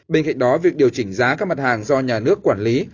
bên cạnh đó việc điều chỉnh giá các mặt hàng do nhà nước quản lý